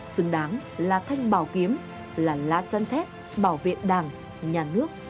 xứng đáng là thanh bảo kiếm là lá chăn thép bảo vệ đảng nhà nước